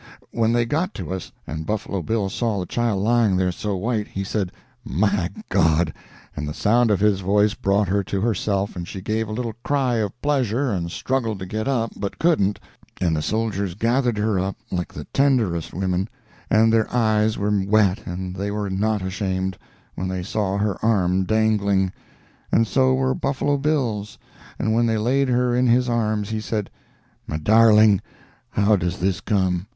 "When they got to us, and Buffalo Bill saw the child lying there so white, he said, 'My God!' and the sound of his voice brought her to herself, and she gave a little cry of pleasure and struggled to get up, but couldn't, and the soldiers gathered her up like the tenderest women, and their eyes were wet and they were not ashamed, when they saw her arm dangling; and so were Buffalo Bill's, and when they laid her in his arms he said, 'My darling, how does this come?